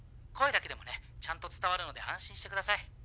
声だけでもねちゃんと伝わるので安心してください。